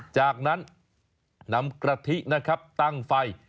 จากนั้นนำกระทิตั้งไฟ